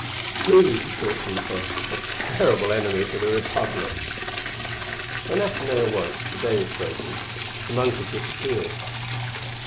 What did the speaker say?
"Truly," he thought to himself, "a terrible enemy for the Republic!" When Athenaïs awoke, the day was breaking. The Monk had disappeared.